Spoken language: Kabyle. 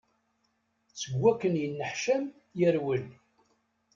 Seg wakken yeneḥcam, yerwel.